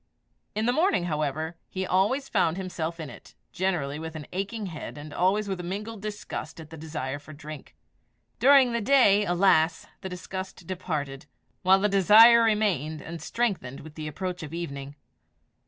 In the morning, however, he always found himself in it generally with an aching head, and always with a mingled disgust at and desire for drink. During the day, alas! the disgust departed, while the desire remained, and strengthened with the approach of evening.